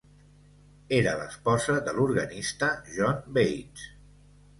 Era l'esposa de l'organista John Bates.